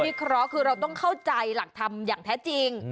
เคราะห์คือเราต้องเข้าใจหลักธรรมอย่างแท้จริง